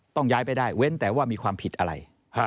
ต้องย้ายไปได้เว้นแต่ว่ามีความผิดอะไร